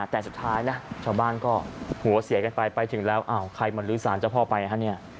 แต่สุดท้ายนะชาวบ้านก็หัวเสียกันไปไปถึงแล้วอ้าวใครมาลื้อสารเจ้าพ่อไปฮะเนี่ย